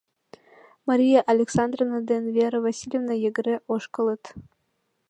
Мария Александровна ден Вера Васильевна йыгыре ошкылыт.